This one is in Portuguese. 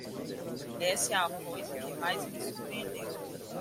Essa é a coisa que mais me surpreendeu.